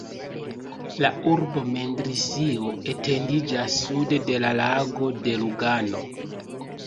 La urbo mendrisio etendiĝas sude de la Lago de Lugano.